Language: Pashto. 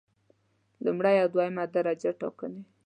لومړی او دویمه درجه ټاکنې